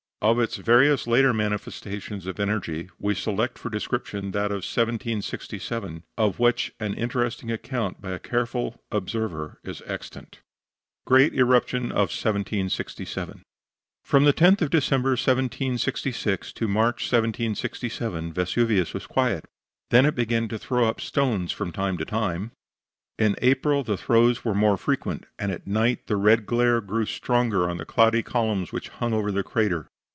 Of its various later manifestations of energy we select for description that of 1767, of which an interesting account by a careful observer is extant. GREAT ERUPTION OF 1767 From the 10th of December, 1766, to March, 1767, Vesuvius was quiet; then it began to throw up stones from time to time. In April the throws were more frequent, and at night the red glare grew stronger on the cloudy columns which hung over the crater.